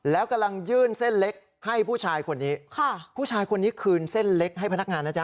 แล้วกำลังยื่นเส้นเล็กให้ผู้ชายคนนี้ค่ะผู้ชายคนนี้คืนเส้นเล็กให้พนักงานนะจ๊